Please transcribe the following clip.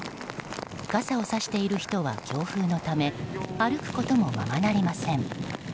傘をさしている人は強風のため歩くこともままなりません。